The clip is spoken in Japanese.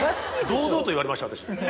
堂々と言われました私。